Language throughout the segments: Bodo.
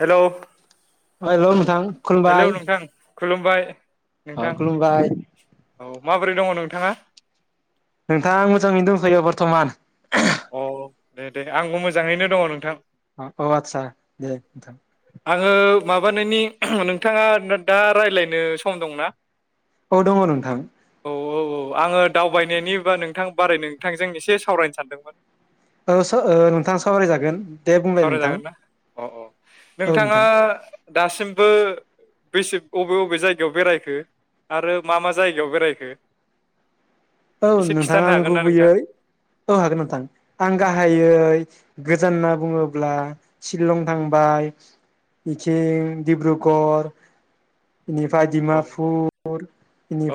हेलौ अ हेलौ नोंथां? हेलौ नोंथां। खुलुमबाय। आ नोंथां खुलुमबाय। औ माबोरै दङ नोंथाङा? नोंथां आं मोजाङैनो दंथ'यो बर्तमान। अ दे दे आंबो मोजाङैनो दङ नोंथां। औ आदसा दे नोंथां आङो माबानायनि नोंथाङा दा रायलायनो सम दंना? औ दङ नोंथां। औ औ औ आङो दावबायनायनिबा नोंथां बारै नोंथांजों एसे सावरायनो सानदोंमोन। ओ सो ओ नोंथां सावराय जागोन दे बुंलाय नोंथां सावरायजागोन ना अ अ औ नोंथाङा नोंथां दासिमबो बेसे अबे अबे जायगायाव बेरायखो आरो मा मा जायगायाव बेरायखो औ एसे नोंथां खिन्थानो आं हागोन ना नोंथां गुबैयै औ हागोन नोंथां आं गाहायै गोजान होनना बुङोब्ला शिलं थांबाय इथिं डिब्रुगर इनिफ्राय औ डिमाफुर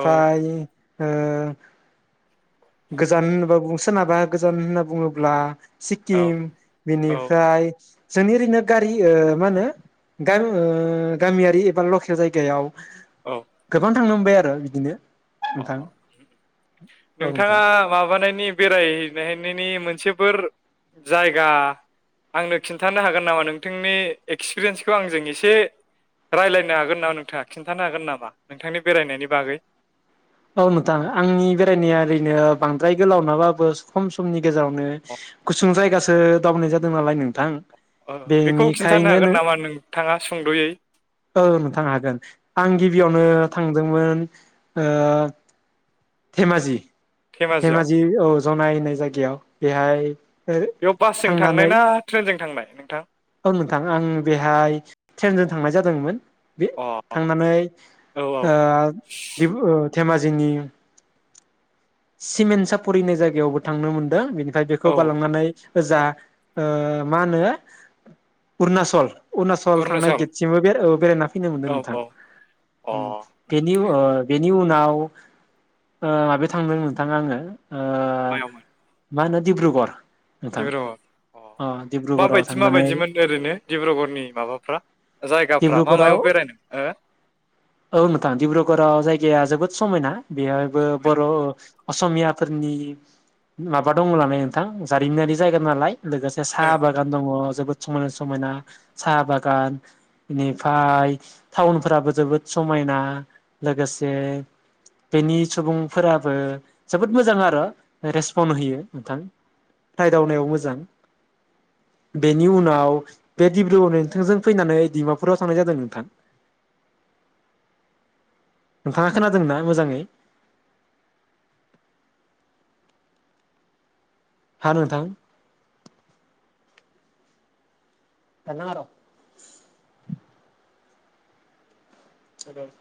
औ ओ गोजान होनोबा बुं सोनाबहा गोजान होनना बुङोब्ला औ सिक्किम औ बिनिफ्राय जोंनि ओरैनो गारि ओ मा होनो गामि ओ गामियारि एबा लकेल जायगायाव औ गोबां थांनो मोनबाय आरो बिदिनो अ नोंथां औ नोंथां नोंथाङा माबानायनि बेरायहै राय हैनायनि मोनसेफोर जायगा आंनो खिन्थानो हागोन नामा नोंथांनि एक्सपिरियेन्सखौ आंजों एसे रालायनो हागोन नामा नोंथाङा खिन्थानो हागोन नामा नोंथांनि बेरायनायनि बागै? औ नोंथां आंनि बेरायनाया ओरैनो बांद्राय गोलाव नङाबाबो खम समनि गेजेरावनो अ गुसुं जायगासो दावबायनाय जादों नालाय नोंथां ओ बेखौ खिन्थानो बेनिखायनो हागोन नों नामा नोंथाङा सुंद'यै ओ नोंथां हागोन आं गिबियावनो थांदोंमोन ओ धेमाजि धेमाजियाव धेमाजि औ जनाय होननाय जायगायाव बेहाय बेयाव बासजों थांनाय थांनानै ना ट्रेनजों थांनाय नोंथां? औ नोंथां आं बेहाय ट्रेनजों थांनाय जादोंमोन। बे अ थांनानै औ ओ डिब ओ धेमाजिनि सिमेन्ट सापरिनि जायगायावबो थांनो मोनदों बेनि फ्राय बेखौ औ बालांनानै ओजा मा होनो उरनाचल उरनाचल थांनाय अरुणाचल गेटसिमबो बे ओ बेरायना फैनो मोनदों औ नोंथां औ अ उम बेनि ओ बे नि उनाव ओ थांदों नोंथां आङो मायावमोन माहोनो दिबब्रुगर डिब्रुगर अ माबायदि थांनानै माबायदिमोन ओरैनो डिब्रुगरनि माबाफ्रा जायगाफ्रा मा डिब्रुगाव मायाव बेरायनो औ नोंथां डिब्रुगराव जायगाया जोबोद समयना। बेहायबो बर' असमियाफोरनि माबा दङ नालाय नोंथां जारिमिनारि जायगा नालाय लोगोसे हो साहा बागान दङ जोबोद समायना समायना साहा बागान बेनिफ्राय टाउनफोराबो जोबोद समायना लोगोसे बेनि सुबुंफोराबो जोबोद मोजां आरो रेसपन होयो नोंथां रायदावनायाव मोजां बेनि उनाव बे डिब्रुगरनि नोंथांजों फैनानैदिमा फुराव थांनाय जादों नोंथां नोंथाङा खोनादोंना मोजाङै? हा नोंथां? [unintelligible] सद'